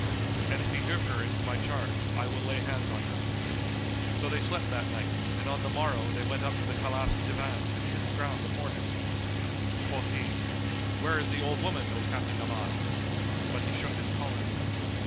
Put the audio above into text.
And if he give her into my charge, I will lay hands on her." So they slept that night and on the morrow they went up to the Caliph's Divan and kissed ground before him. Quoth he, "Where is the old woman, O Captain Ahmad?" But he shook his collar.